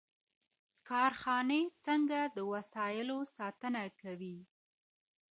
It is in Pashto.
کارخانې څنګه د وسایلو ساتنه کوي؟